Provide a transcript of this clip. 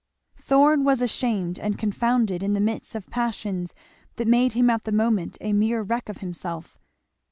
Thorn was ashamed and confounded, in the midst of passions that made him at the moment a mere wreck of himself.